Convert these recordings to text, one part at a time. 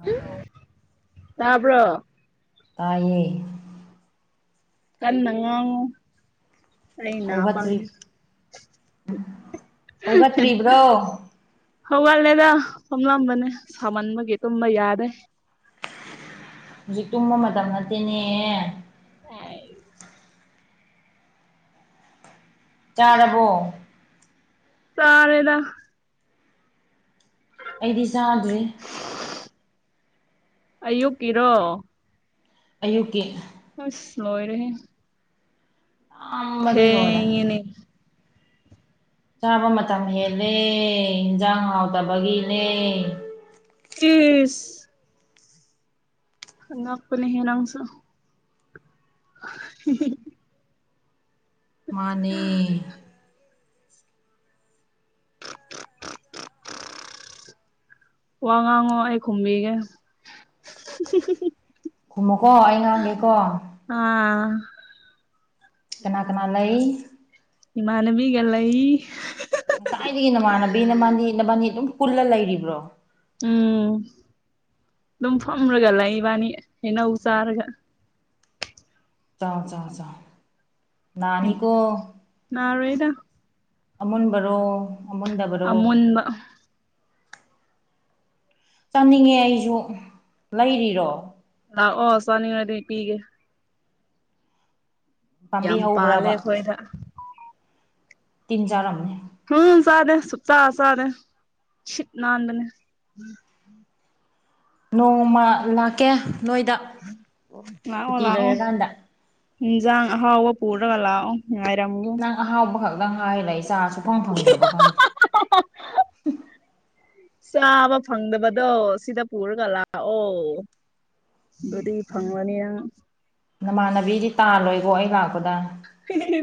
hello ꯇꯥꯕ꯭ꯔꯣ ꯇꯥꯏꯌꯦ ꯀꯟꯅ ꯉꯥꯡꯉꯣ ꯑꯩ ꯅꯥ ꯍꯧꯒꯠꯇ꯭ꯔꯤ ꯄꯪꯉꯦ ꯍꯧꯒꯠꯇ꯭ꯔꯤꯕ꯭ꯔꯣ ꯍꯧꯒꯠꯂꯦꯗ ꯐꯝꯂꯝꯕꯅꯦ ꯁꯥꯃꯟꯕꯒꯤ ꯇꯨꯝꯕ ꯌꯥꯗꯦ ꯍꯧꯖꯤꯛ ꯇꯨꯝꯕ ꯃꯇꯝ ꯅꯠꯇꯦꯅꯦ ꯍ [unintelligible] ꯆꯥꯔꯕꯣ ꯆꯥꯔꯦꯗ ꯑꯩꯗꯤ ꯆꯥꯗ꯭ꯔꯤ ꯑꯌꯨꯛꯀꯤꯔꯣ ꯑꯌꯨꯛꯀꯤ ꯑꯁ ꯂꯣꯏꯔꯦꯍꯦ ꯑ [inaudible] ꯊꯦꯡꯉꯦꯅꯦ ꯆꯥꯕ ꯃꯇꯝ ꯍꯦꯜꯂꯦ ꯏꯟꯖꯥꯡ ꯍꯥꯎꯇꯕꯒꯤꯅꯦ ꯏꯁ ꯑꯉꯛꯄꯅꯦꯍꯦ ꯅꯪꯁꯨ [unintelligible] ꯃꯥꯅꯦ ꯋꯥ ꯉꯥꯡꯉꯣ ꯑꯩ ꯈꯨꯝꯕꯤꯒꯦ ꯈꯨꯝꯃꯨꯀꯣ ꯑꯩ ꯉꯥꯡꯒꯦꯀꯣ ꯑꯥ ꯀꯅꯥ ꯀꯅꯥ ꯂꯩ ꯏꯃꯟꯅꯕꯤꯒ ꯂꯩꯏ ꯉꯁꯥꯏꯗꯒꯤ ꯅꯃꯥꯟꯅꯕꯤ ꯅꯕꯥꯟꯅꯤ ꯅꯕꯥꯟꯅꯤ ꯑꯗꯨꯝ ꯄꯨꯜꯂꯒ ꯂꯩꯔꯤꯕ꯭ꯔꯣ ꯎꯝ ꯑꯗꯨꯝ ꯐꯝꯔꯒ ꯂꯩꯏ ꯏꯕꯥꯅꯤ ꯍꯩꯅꯧ ꯆꯥꯔꯒ ꯥꯆꯥꯎ ꯆꯥꯎ ꯆꯥꯎ ꯅꯥꯅꯤ ꯀꫭ ꯅꯥꯔꯣꯏꯗ ꯑꯃꯨꯟꯕꯔꯣ ꯑꯃꯨꯟꯗꯕꯔꯣ ꯃꯨꯟꯕ ꯆꯥꯅꯤꯡꯉꯦ ꯑꯩꯖꯨ ꯂꯩꯔꯤꯔꯣ ꯂꯛꯑꯣ ꯆꯥꯅꯤꯉꯗꯤ ꯄꯤꯒꯦ ꯄꯥꯝꯕꯤ ꯌꯥꯝ ꯄꯥꯂꯦ ꯍꯧꯕ꯭ꯔꯕ ꯑꯩꯈꯣꯏꯗ ꯇꯤꯟ ꯆꯥꯔꯝꯅꯤ ꯎꯝ ꯆꯗꯦ ꯁꯛꯆꯥ ꯆꯥꯗꯦ ꯁꯤꯠ ꯅꯅꯥꯥꯟꯕꯅꯦ ꯅꯣꯡꯃ ꯂꯥꯛꯀꯦ ꯅꯣꯏꯗ ꯂꯥꯛꯑꯣ ꯁꯨꯇꯤ ꯂꯥꯛꯑꯣ ꯂꯩꯔꯀꯥꯟꯗ ꯏꯖꯥꯡ ꯍꯥꯎꯕꯥ ꯄꯨꯔꯒ ꯉꯥꯏꯔꯝꯒꯦ ꯅꯪ ꯑꯍꯥꯎꯕ ꯈꯛꯇꯪ ꯍꯥꯏꯔ ꯂꯩ ꯆꯥꯁꯨꯨꯐꯪ ꯐꯪꯗ꯭ꯔꯥ ꯈꯪꯗ꯭ꯔꯦ [inaudible] ꯆꯥꯕ ꯐꯪꯗꯕꯗꯣ ꯁꯤꯗ ꯄꯨꯔꯒ ꯂꯥꯛꯑꯣ ꯗꯨꯗꯤ ꯐꯪꯂꯅꯤ ꯅꯪ ꯅꯃꯥꯟꯅꯕꯤꯗꯤ ꯇꯥꯜꯂꯣꯏꯀꯣ ꯑꯩ ꯂꯥꯛꯄꯗ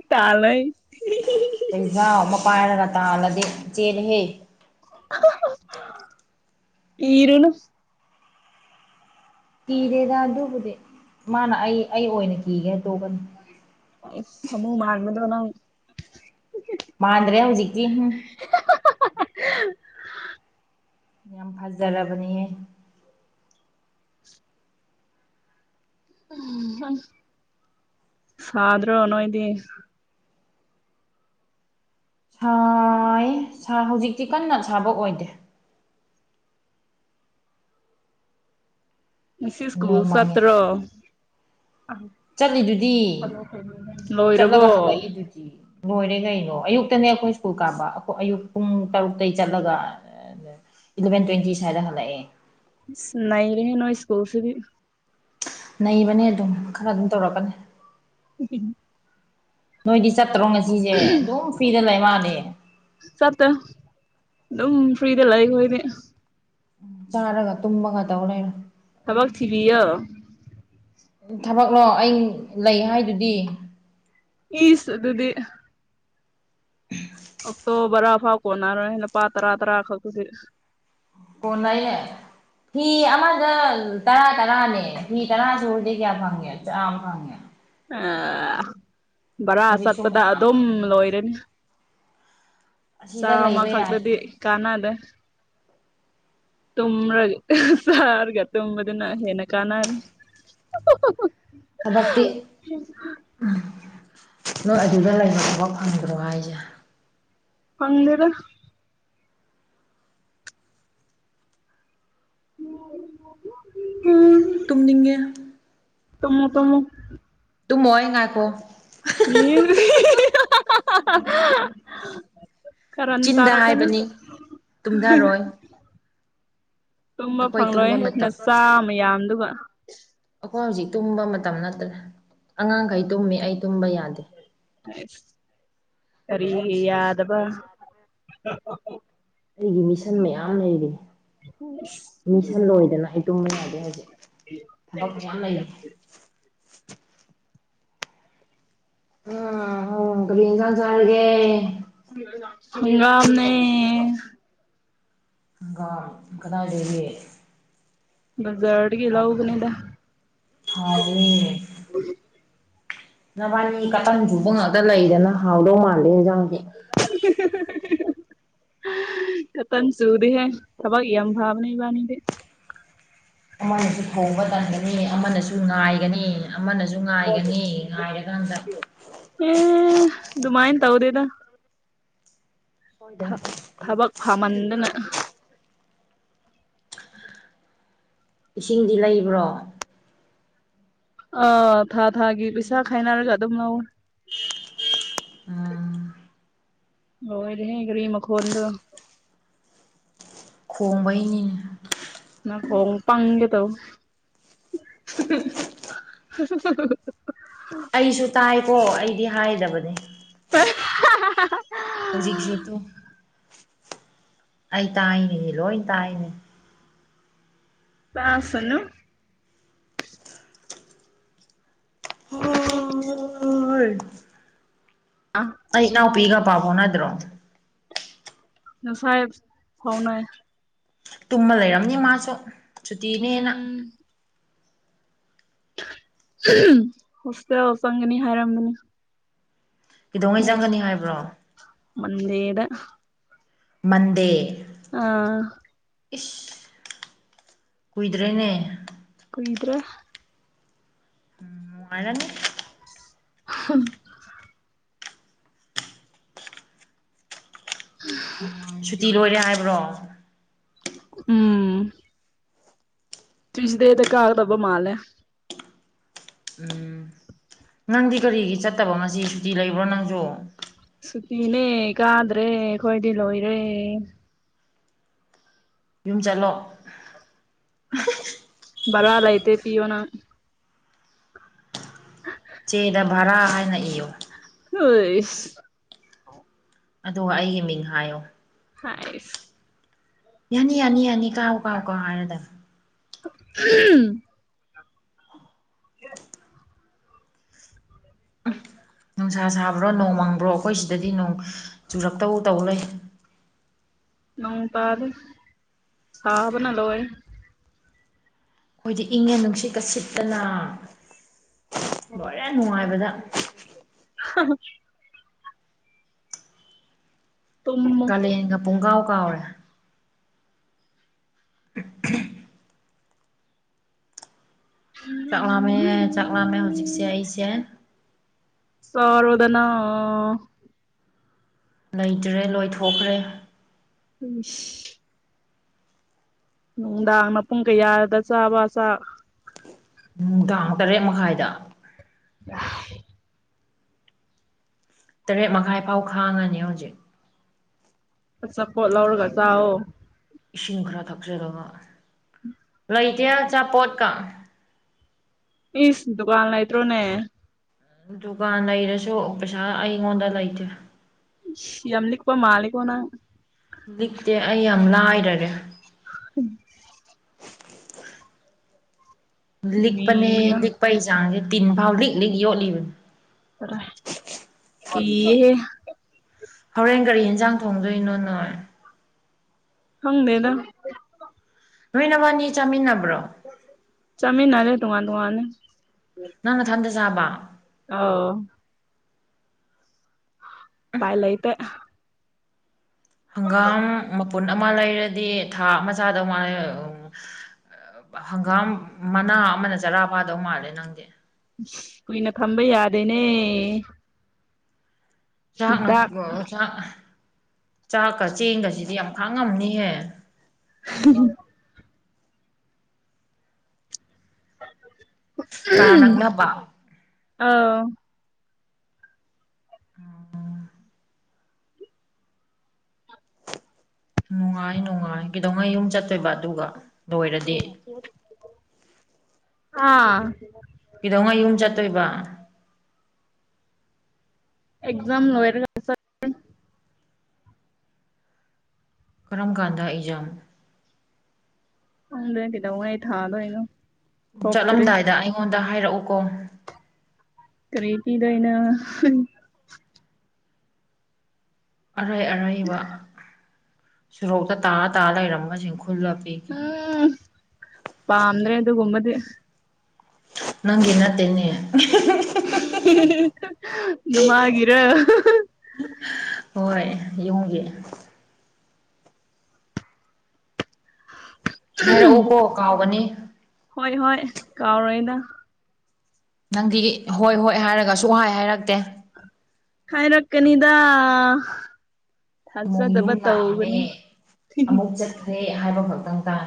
ꯇꯥꯜꯂꫭꯏ ꯆꯖꯥꯥꯎ ꯑꯃ ꯄꯥꯏꯔꯒ ꯇꯥꯜꯂꯗꯤ ꯆꯦꯜꯂꯦꯍꯦ ꯀꯤꫪꯨꯅꯨ ꯀꯤꯗꯦꯗ ꯑꯗꯨꯕꯨꯗꯤ ꯃꯥꯅ ꯑꯩ ꯑꯩ ꯑꯣꯏꯅ ꯀꯤꯒꯗꯧꯕꯅꯤ [unintelligible] ꯃꯥꯟꯗ꯭ꯔꯦ ꯍꯧꯖꯤꯛꯀꯤ ꯍꯨꯝ ꯌꯥꯝ ꯐꯖꯔꯕꯅꯤꯌꯦ ꯁꯥꯗ꯭ꯔꯣ ꯅꯣꯏꯗꯤ ꯁꯥꯏ ꯍꯧꯖꯤꯛꯇꯤ ꯀꯟꯅ ꯁꯥꯕ ꯑꯣꯏꯗꯦ ꯉꯁꯤ ꯏꯁꯀꯨ ꯅꯣꯡꯃꯪꯉꯦ ꯆꯠꯇ꯭ꯔꫭ ꯆꯠꯂꯤꯗꯨꯗꯤ ꯂꯣꯏꯔꯕꯣ ꯗꯨꯗꯤ ꯂꯣꯏꯔꯦ ꯀꯩꯅꯣ ꯑꯌꯨꯛꯇꯅꯦ ꯑꯩꯈꯣꯏ ꯁ꯭ꯀꯨꯜ ꯀꯥꯕ ꯑꯌꯨꯛ ꯄꯨꯡ ꯇꯔꯨꯛꯇꯩ ꯆꯠꯂꯒ ꯏꯂꯚꯦꯟ ꯇ꯭ꯋꯦꯟꯇꯤ ꯁ꯭ꯋꯥꯏꯗ ꯍꯜꯂꯛꯑꯦ ꯅꯩꯔꯦꯍꯦ ꯅꫭꯏ ꯁꯀꯨꯜꯁꯤꯗꯤ ꯅꯩꯕꯅꯦ ꯑꯗꯨꯝ ꯈꯔ ꯑꯗꯨꯝ ꯇꯧꯔꯛꯀꯅꯤ ꯎ [unintelligible] ꯅꯣꯏꯗꯤ ꯆꯠꯇ꯭ꯔꯣ ꯉꯁꯤꯁꯦ ꯑꯗꯨꯝ ꯐ꯭ꯔꯤꯗ ꯂꯩ ꯃꯥꯅꯦ ꯆꯠꯇ ꯑꯗꯨꯝ ꯐ꯭ꯔꯤꯗꯂꯩ ꯑꯈꯣꯏꯗꯤ ꯆꯥꯔꯒ ꯇꯨꯝꯃꯒ ꯇꯧꯂꯩꯔꯣ ꯊꯕꯛ ꯊꯤꯕꯤ ꯌꯣ ꯊꯕꯛꯂꯣ ꯑꯩ ꯂꯩ ꯍꯥꯏꯗꯨꯗꯤ ꯏꯁ ꯑꯗꯨꯗꯤ [unintelligible] ꯑꯣꯛꯇꯣ ꯕꯔꯥ ꯐꯥꯎ ꯀꯣꯟꯅꯔꯣꯏ ꯂꯨꯄꯥ ꯇꯔꯥ ꯇꯔꯥ ꯈꯛꯇꯨꯗꯤ [unintelligible] ꯐꯤ ꯑꯃꯗ ꯇꯔꯥ ꯇꯔꯥꯅꯦ ꯐꯤ ꯇꯔꯥ ꯁꯨꯔꯗꯤ ꯀꯌꯥ ꯐꯪꯉꯦ ꯆꯥꯃꯥ ꯐꯪꯉꯦ ꯑ ꯚꯔꯥ ꯍꯧꯖꯤꯛꯁꯨ ꯆꯠꯄꯗ ꯃꯌꯥꯝ ꯑꯗꯨꯝ ꯂꯩ ꯂꯣꯏꯔꯅꯤ ꯑꯁꯤꯗ ꯆꯥꯝꯃ ꯂꯩꯕ ꯌꯥꯏ ꯈꯛꯇꯗꯤ ꯀꯥꯟꯅꯗꯦ ꯇꯨꯝꯃ꯭ꯔꯒ ꯆꯥꯔꯒ ꯇꯨꯝꯝꯕꯗꯨꯅ ꯍꯦꯅ ꯀꯥꯟꯅꯔꯦ [inaudible] ꯊꯕꯛꯇꯤ ꯅꯣꯏ ꯑꯗꯨꯗ ꯂꯩꯕ ꯊꯕꯛ ꯐꯪꯈ꯭ꯔꯣ ꯍꯥꯏꯁꯦ ꯍꯪꯗꯔ ꯎꯝ ꯇꯨꯝꯅꯤꯡꯉꯦ ꯇꯃ ꯇꯃꯛ ꯇꯨ ꯃꯣꯦ ꯉꯥꯏꯀꯣ ꯎꯔꯤ ꯈꯔ ꯆꯤꯟꯗ ꯇꯔ ꯀꯅ ꯍꯥꯏꯕꯅꯤ ꯇꯨꯝꯊꯔꯣꯏ ꯇꯨꯝꯕ ꯑꯩꯈꯣꯏ ꯐꯪꯂꯣꯏ ꯇꯨꯝꯕ ꯃꯇꯝ ꯅꯆꯥ ꯃꯌꯥꯝꯗꯨ ꯑꯩꯈꯣꯏ ꯍꯧꯖꯤꯛ ꯇꯨꯝꯕ ꯃꯇꯝ ꯅꯠꯇ꯭ꯔꯦ ꯑꯉꯥꯡꯈꯩ ꯇꯨꯝꯃꯤ ꯑꯩ ꯇꯨꯝꯕ ꯌꯥꯗꯦ ꯀꯔꯤ ꯌꯥꯗꯕ ꯑꯩꯒꯤ ꯃꯤꯁꯟ ꯃꯌꯥꯝ ꯂꯩꯔꯤ ꯎꯝ ꯃꯤꯁꯟ ꯂꯣꯏꯗꯅ ꯑꯩ ꯇꯨꯝꯕ ꯌꯥꯗꯦ ꯍꯧꯖꯤꯛ ꯊꯕꯛ ꯋꯥ ꯂꯩ ꯎ ꯀꯥꯡ ꯆꯔꯒꯦ ꯑꯃꯅꯦ ꯏꯀ ꯏ ꯀꯗꯥꯗꯒꯤ ꯕꯖꯔꯠ ꯍ ꯅꯕꯥꯅꯤ ꯈꯇꯪ ꯁꯨꯕ ꯉꯥꯛꯇ ꯂꯩꯗꯅ ꯍꯥꯎꯗꯧ ꯃꯥꯜꯂꯦ ꯍꯦ [inaudible] ꯀꯇꯟ ꯁꯨꯗꯦ ꯍꯦ ꯊꯕꯛ ꯌꯥꯝꯦꯝ ꯐꯕ ꯅꯕꯥꯅꯤꯗꯦ ꯑꯃꯅꯁꯨ ꯊꯧꯕ ꯇꯥꯟꯒꯅꯤ ꯑꯃꯅꯁꯨ ꯉꯥꯏꯒꯅꯤ ꯑꯃꯅꯁꯨ ꯉꯥꯏꯒꯅꯤ ꯉꯥꯏꯔꯀꯥꯟꯗ ꯑꯦ ꯑꯗꯨꯗꯨꯃꯥꯏꯟ ꯇ ꯍꯗꯦꯗ ꯊ ꯁꯣꯏꯗꯅ ꯊꯕꯥꯛ ꯐꯥꯃꯥꯟꯗꯅ ꯎ ꯏꯁꯤꯡꯗꯤ ꯂꯩꯕ꯭ꯔꯣ ꯑ ꯊꯥ ꯊꯥꯒꯤ ꯄꯩꯁꯥ ꯈꯥꯏꯅꯔꯒ ꯑꯗꯨꯝ ꯂꯧ ꯎꯝ ꯍꯣꯏ ꯍꯦꯒꯔꯤꯃ ꯀ ꯍꯣꯜ ꯈꯣꯡꯕꯩꯅꯤ ꯅ ꯍꯣꯡꯄꯒꯦ ꯇꯧ ꯎ [inaudible] ꯑꯩꯁꯨ ꯇꯥꯏꯀꯣ ꯑꯩꯗꯤ ꯍꯥꯏꯗꯕꯅꯦ ꯑ ꯍ ꯍꯧꯖꯤꯛꯁꯨ ꯇꯣ ꯑꯩ ꯇꯥꯏꯅꯦꯅꯦ ꯂꯣꯏ ꯇꯥꯏꯅꯦ ꯄꯥꯁꯅ ꯎ ꯍꯣꯏꯔ ꯑꯩ ꯏꯅꯥꯎꯄꯤꯒ ꯄꯥꯕꯣꯅꯗ꯭ꯔꯣ ꯉꯅꯨꯡꯁꯥꯏ ꯐꯥꯎꯅ ꯇꯨꯝꯃ ꯂꯩꯔꯝꯅꯤ ꯃꯥꯁꯨ ꯁꯨꯇꯤꯅꯦꯅ ꯎꯝ ꯍꯣꯁꯇꯦꯜ ꯆꯪꯒꯅꯤ ꯍꯥꯏꯔꯝꯝꯕꯅꯤ ꯀꯩꯗꯧꯉꯩ ꯆꯪꯒꯅꯤ ꯍꯥꯏꯕ꯭ꯔꯣ ꯃꯟꯗꯦꯗ ꯃꯗꯦ ꯑꯥ ꯏꯁ ꯀꯨꯏꯗ꯭ꯔꯦꯅꯦ ꯀꯨꯣꯏꯗ꯭ꯔꯦ ꯎꯝ ꯋꯥꯅꯅꯤ [unintelligible] ꯎꯝ ꯎ ꯁꯨꯇꯤ ꯂꯣꯏꯔꯦ ꯍꯥꯏꯕ꯭ꯔꯣ ꯎꯝ ꯇꯤꯁꯗꯗ ꯀꯥꯔꯗꯕꯃꯂꯦ ꯎꯝ ꯅꯪꯗꯤ ꯀꯔꯤꯒꯤ ꯆꯠꯇꯕ ꯉꯁꯤ ꯁꯨꯇꯤ ꯂꯩꯕ꯭ꯔꯣ ꯅꯪꯁꯨ ꯁꯇꯅꯦ ꯀꯥꯗ꯭ꯔꯦ ꯈꯣꯏꯗ ꯂꯣꯣꯏꯔꯦ ꯌꯨꯝ ꯆꯠꯂꯣ ꯔꯗꯥꯏꯇ ꯇꯤ ꯌꯅ [unintelligible] ꯆꯦꯗ ꯚꯔꯥ ꯍꯥꯏꯅ ꯏꯌꯨ ꯍꯣꯏ ꯑꯗꯨꯒ ꯑꯩꯒꯤ ꯃꯤꯡ ꯍꯥꯏꯌꯣ ꯍꯥꯏꯁ ꯌꯥꯅꯤ ꯌꯥꯅꯤ ꯌꯥꯅꯤ ꯀꯥꯎ ꯀꯥꯎ ꯀꯥꯎ ꯍꯥꯏꯔꯗꯕ ꯎꯝ ꯍ ꯅꯨꯡꯁꯥ ꯁꯥꯕ꯭ꯔꯣ ꯅꯣꯡ ꯃꯪꯕ꯭ꯔꯣ ꯑꯩꯈꯣꯏ ꯁꯤꯗꯗꯤ ꯅꯣꯡ ꯆꯨꯔꯛꯇꯕꯨ ꯇꯧ ꯂꯩ ꯅꯣꯡ ꯇꯥꯗ ꯁꯥ ꯅꯥ ꯂꯣ ꯑꯩ ꯑꯩꯈꯣꯏꯗꯤ ꯏꯪꯉꯦ ꯅꯨꯡꯁꯤꯠꯀ ꯁꯤꯠꯇꯅ ꯂꯣꯏꯔꯦ ꯅꯨꯡꯉꯥꯏꯕꯗ [unintelligible] ꯇꯨꯝꯃꯣ ꯀꯥꯂꯦꯟꯒ ꯄꯨꯡꯒꯥꯎ ꯀꯥꯎꯔꯦ [unintelligible] ꯆꯥꯛꯂꯝꯥꯝꯃꯦ ꯆꯥꯛꯂꯝꯥꯝꯃꯦ ꯍꯧꯖꯤꯛꯁꯦ ꯑꯩꯁꯦ ꯁꯔ ꯑꯣꯏꯗꯅ ꯂꯩꯇ꯭ꯔꯦ ꯂꯣꯏꯊꯣꯛꯈ꯭ꯔꯦ ꯎꯝ ꯅꯨꯡꯗꯥꯡ ꯃꯄꯨꯡ ꯀꯌꯥꯗ ꯆꯥꯕ ꯆꯥ ꯅꯨꯡ ꯇꯥꯡꯃꯨꯛ ꯇꯔꯦꯠ ꯃꯈꯥꯏꯗ ꯑ ꯇꯔꯦꯠ ꯃꯈꯥꯏ ꯐꯥꯎ ꯈꯥꯡꯉꯅꯤ ꯍꯧꯖꯤꯛ ꯑꯆꯥ ꯐꯣ ꯂꯧꯔꯒ ꯆꯑꯣꯣ ꯏꯁꯤꯡ ꯈꯔ ꯊꯛꯆꯔꯒ ꯎꯝ ꯂꯩꯊꯦꯜ ꯑꯆꯥꯄꯣꯠꯀ ꯏꯤꯁ ꯗꯨꯀꯥꯟꯅ ꯏꯇ꯭ꯔꯣꯅꯦ ꯗꯨꯀꯥꯟ ꯂꯩꯔꯁꯨ ꯄꯩꯁꯥ ꯑꯩꯉꯣꯟꯗ ꯂꯩꯇꯦ ꯌꯂꯤꯛꯄꯥ ꯃꯥꯂꯤꯒꯅ ꯂꯤꯛꯇꯦ ꯑꯩ ꯌꯥꯝ ꯂꯥꯏꯔꯔꯦ ꯎꯝ ꯂꯤꯛꯄꯅꯦ ꯅꯤꯌꯥ ꯂꯤꯛꯄꯒꯤ ꯆꯥꯡꯁꯦ ꯇꯤꯟ ꯐꯥꯎ ꯂꯤꯛ ꯂꯤꯛ ꯌꯣꯠꯂꯤꯕꯅꯦ ꯇꯔ ꯀ ꯍꯣꯔꯦꯟ ꯒꯥꯔꯤ ꯌꯦꯟꯖꯥꯡ ꯊꯣꯡꯗꯣꯏꯅꯣ ꯅꯣꯏ ꯍꯪꯅꯦꯦꯗ ꯂꯣꯏꯅꯃꯛꯅꯤ ꯆꯥꯃꯤꯟꯅꯕ꯭ꯔꯣ ꯆꯃꯤꯟꯅꯔꯦ ꯊꯨꯡꯉ ꯇꯉꯅ ꯅꯪ ꯅꯊꯟꯇ ꯆꯥꯕ ꯑꯥꯎ ꯎꯄꯥꯏ ꯂꯩꯇꯦ ꯍꯪꯒꯥꯝ ꯃꯄꯨꯟ ꯑꯃ ꯂꯩꯔꯗꯤ ꯊꯥ ꯑꯃ ꯆꯥꯗꯧ ꯃꯥꯜꯂꯦ ꯍꯪꯒꯥꯝ ꯃꯅꯥ ꯑꯃꯅ ꯆꯔꯥ ꯐꯥꯗꯧ ꯃꯥꯜꯂꯦ ꯅꯪꯗꯤ ꯀꯨꯏꯅ ꯊꯝꯕ ꯌꯥꯗꯦꯅꯦ ꯆꯥꯛꯅ ꯍꯤꯗꯥꯛ ꯆꯥꯛ ꯆꯥꯛꯀ ꯆꯦꯡꯒꯁꯤꯗꯤ ꯌꯥꯝ ꯈꯥꯡꯉꯝꯅꯤꯍꯦ ꯎꯝ ꯀꯥ ꯅꯛꯅꯕ ꯑꯧ [inaudible] ꯅꯨꯡꯉꯥꯏ ꯅꯨꯡꯉꯥꯏ ꯀꯩꯗꯧꯉꯩ ꯌꯨꯝ ꯆꯠꯇꯣꯏꯕ ꯑꯗꯨꯒ ꯂꯣꯏꯔꯗꯤ ꯍꯥ ꯀꯩꯗꯧꯉꯩ ꯌꯨꯝ ꯆꯠꯇꯣꯏꯕ ꯑꯦꯛꯖꯥꯝ ꯂꯣꯏꯔꯒ ꯀꯔꯝꯀꯥꯟꯗ ꯑꯦꯛꯖꯥꯝ ꯈꯪꯗꯦ ꯀꯩꯗꯧꯉꯩ ꯊꯗꯣꯏꯅꯣ ꯆꯠꯂꯝꯗꯥꯏꯗ ꯑꯩꯉꯣꯟꯗ ꯍꯥꯏꯔꯛꯎꯀꯣ ꯀꯔꯤ ꯄꯤꯗꯣꯏꯅꯣ ꯑꯔꯩ ꯑꯔꯩꯕ ꯁꯣꯔꯣꯛꯇ ꯇꯥ ꯇꯥ ꯂꯩꯔꯝꯕꯁꯤꯡ ꯈꯨꯜꯂ ꯄꯤꯒꯦ ꯎꯝ ꯄꯥꯝꯗ꯭ꯔꯦ ꯑꯗꯨꯒꯨꯝꯕꯗꯤ ꯅꯪꯒꯤ ꯅꯠꯇꯦꯅꯦ ꯅꯃꯥꯒꯤꯔꯣ ꯍꯣꯏ ꯌꯨꯝꯒꯤ ꯍꯥꯏꯔꯛꯎꯀꯣ ꯀꯥꯎꯒꯅꯤ ꯍꯣꯏ ꯍꯣꯏ ꯀꯥꯎꯔꯣꯏꯗ ꯅꯪꯗꯤ ꯍꯣꯏ ꯍꯣꯏ ꯍꯥꯏꯔꯒ ꯁꯨꯡꯍꯥꯏ ꯍꯥꯏꯔꯛꯇꯦ ꯍꯥꯏꯔꯛꯀꯅꯤꯗ ꯑꯃꯨꯛ ꯌꯨꯝ ꯊꯥꯖꯗꯕ ꯇꯧꯒꯅꯨ ꯐꯩ ꯍꯥꯏꯕ ꯈꯛꯇꯪ ꯇꯥꯏ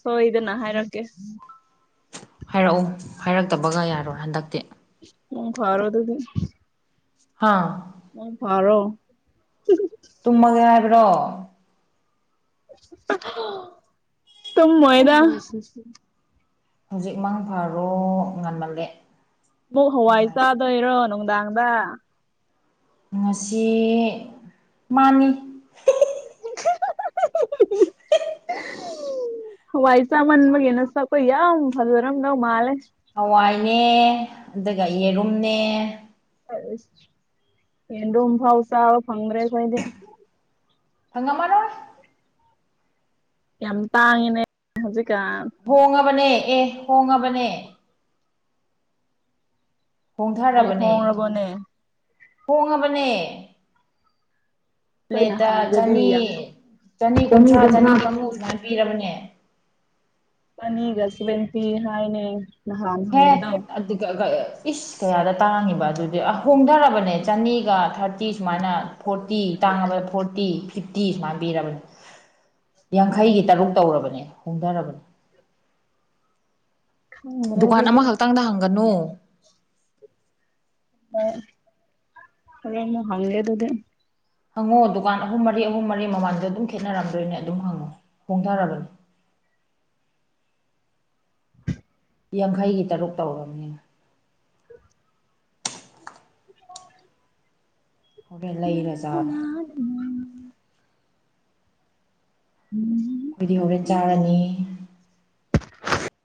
ꯁꯣꯏꯗꯅ ꯍꯥꯏꯔꯛꯀꯦ ꯍꯥꯏꯔꯛꯎ ꯍꯥꯏꯔꯛꯇꯕꯒ ꯌꯥꯔꯣꯏ ꯍꯟꯗꯛꯇꯤ ꯃꯪ ꯐꯔꯣ ꯑꯗꯨꯗꯤ ꯍꯥꯥ ꯃꯪ ꯐꯔꯣ ꯇꯨꯝꯃꯒꯦ ꯍꯥꯏꯕ꯭ꯔꯣ ꯇꯨꯝꯃꯣꯏꯗꯥ ꯍꯧꯖꯤꯛ ꯃꯪ ꯐꯔꯣ ꯉꯟꯃꯜꯂꯦ ꯑꯃꯨꯛ ꯍꯋꯥꯏ ꯉꯥꯏꯈꯣ ꯆꯥꯗꯣꯏꯔꯣ ꯅꯨꯡꯗꯥꯡꯗ ꯉꯁꯤ ꯃꯥꯅꯤ [inaudible] ꯍꯋꯥꯏ ꯆꯃꯥꯟꯕꯒꯤ ꯅꯁꯛꯇꯣ ꯌꯥꯝ ꯐꯖꯔꯝꯗꯧ ꯃꯥꯂꯦ ꯍꯋꯥꯏꯅꯦ ꯑꯗꯨꯒ ꯌꯦꯔꯨꯝꯅꯦ ꯌꯦꯔꯨꯝ ꯐꯥꯎ ꯆꯥꯕ ꯐꯪꯗꯔ꯭ꯦ ꯑꯩꯈꯣꯏꯗꯤ ꯐꯪꯉꯝꯃꯔꯣꯏ ꯌꯥꯝ ꯇꯥꯡꯉꯤꯅꯦ ꯍꯧꯖꯤꯛꯀꯥꯟ ꯍꯣꯡꯉꯕꯅꯦ ꯑꯦ ꯍꯣꯡꯉꯕꯅꯦ ꯑꯃꯨꯛ ꯍꯣꯡꯊꯔꯕꯅꯦ ꯍꯣꯡꯔꯕꯣꯅꯦ ꯍꯣꯡꯉꯕꯅꯦ ꯑꯩꯈꯣꯏꯅ ꯄ꯭ꯂꯦꯠꯇ ꯍꯪꯕꯗꯤ ꯆꯅꯤ ꯌꯥꯝ ꯆꯅꯤ ꯀꯨꯟꯊ꯭ꯔꯥ ꯆꯅꯤ ꯅꯤꯐꯨ ꯁꯨꯃꯥꯏꯅ ꯄꯤꯔꯕꯅꯦ ꯆꯅꯤꯒ ꯁꯦꯕꯦꯟꯇꯤ ꯍꯥꯏꯅꯦ ꯅꯍꯥꯟ ꯍꯦ ꯍꯪꯕꯗꯣ ꯑꯗꯨ ꯏꯁ ꯀꯌꯥꯗ ꯇꯥꯡꯉꯤꯕ ꯑꯗꯨꯗꯤ ꯑ ꯍꯣꯡꯊꯔꯕꯅꯦ ꯆꯅꯤꯒ ꯊꯥꯔ ꯊꯥꯔꯇꯤ ꯁꯨꯃꯥꯏꯅ ꯐꯣꯔꯇꯤ ꯇꯥꯡꯉꯕꯗ ꯐꯣꯔꯇꯤ ꯐꯤꯐꯇꯤ ꯁꯨꯃꯥꯏꯅ ꯄꯤꯔꯕꯅꯤ ꯌꯥꯡꯈꯩꯒꯤ ꯇꯔꯨꯛ ꯇꯧꯔꯕꯅꯦ ꯍꯣꯡꯊꯔꯕꯅꯤ ꯈꯪꯗ꯭ꯔꯦ ꯗꯨꯀꯥꯟ ꯑꯗꯨꯗꯤ ꯑꯃꯈꯛꯇꯪꯗ ꯍꯪꯒꯅꯨ ꯑ ꯍ ꯍꯪꯦ ꯑꯗꯨꯗꯤ ꯍꯪꯉꯣ ꯗꯨꯀꯥꯟ ꯑꯍꯨꯝ ꯃꯔꯤ ꯑꯍꯨꯝ ꯃꯔꯤ ꯃꯃꯥꯡꯗ ꯑꯗꯨꯝ ꯈꯦꯠꯅꯔꯝꯗꯣꯏꯅꯦ ꯑꯗꯨꯝ ꯍꯪꯉꯣ ꯍꯣꯡꯊꯔꯕꯅꯤ ꯌꯥꯡꯈꯩꯒꯤ ꯇꯔꯨꯛ ꯇꯧꯔꯕꯅꯤꯅ ꯑ ꯍꯗꯩ ꯂꯩ ꯔꯖꯥꯔ ꯎꯝ ꯑꯩꯈꯣꯏꯗꯤ ꯍꯣꯔꯦꯟ ꯆꯥꯔꯅꯤ